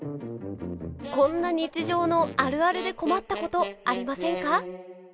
こんな日常のあるあるで困ったことありませんか？